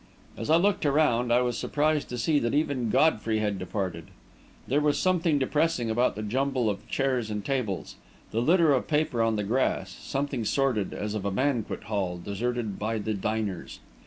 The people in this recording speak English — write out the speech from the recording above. As I looked around, I was surprised to see that even Godfrey had departed. There was something depressing about the jumble of chairs and tables, the litter of paper on the grass something sordid, as of a banquet hall deserted by the diners.